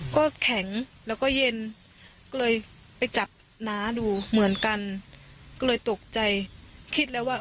ก็แข็งแล้วก็เย็นก็เลยไปจับน้าดูเหมือนกันก็เลยตกใจคิดแล้วว่า